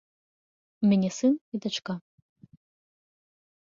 У мяне сын і дачка.